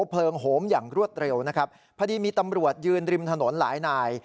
เพลิงโหมอย่างรวดเร็วนะครับพอดีมีตำรวจยืนริมถนนหลายนาย